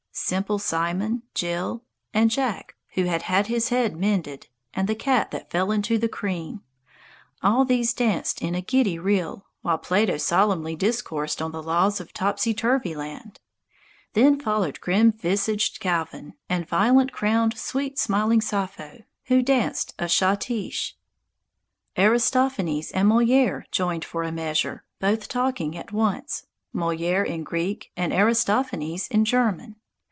Simple Simon, Jill, and Jack who had had his head mended, and the cat that fell into the cream all these danced in a giddy reel, while Plato solemnly discoursed on the laws of Topsyturvy Land. Then followed grim visaged Calvin and "violet crowned, sweet smiling Sappho" who danced a Schottische. Aristophanes and Molière joined for a measure, both talking at once, Molière in Greek and Aristophanes in German.